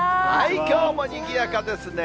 きょうもにぎやかですね。